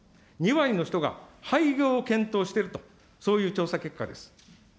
２割の人が廃業を検討していると、そういう調査結果です。